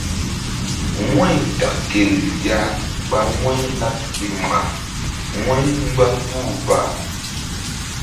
Wu̧y tak gel ya ɓa wu̧y̧-laɓ ɗikma wu̧y mgba puh ɓa.